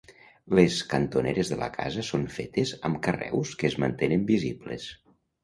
Les cantoneres de la casa són fetes amb carreus que es mantenen visibles.